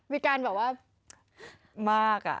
มีการแบบว่ามากอะ